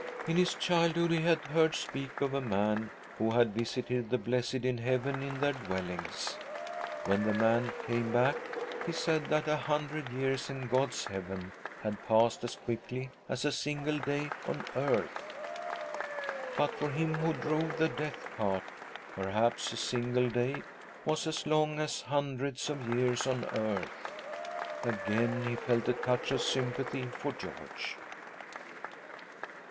In his childhood he had heard speak of a man who had visited the blessed in heaven in their . i », rtf r . ..i i ,^ 136 THY SOUL. SHALL BEAR WITNESS ! dwellings. When the man came back he said that a hundred years in God's heaven had passed as quickly as a single day on earth. But for him who drove the death cart perhaps a single day was as long as hundreds of years on earth. Again he felt a touch of sympathy for George.